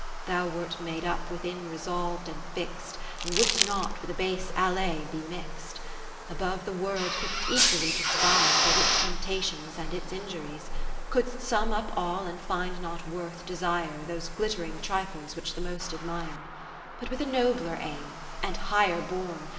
Thou wert made up within resolv'd and fix'd, And wouldst not with a base allay be mix'd ; Above the World, couldst equally despise Both its temptations and its injuries; Couldst sum up all, and find not worth desire Those glittering trifles which the most admire ; But with a nobler aim, and higher born.